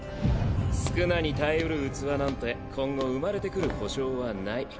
宿儺に耐えうる器なんて今後生まれてくる保証はない。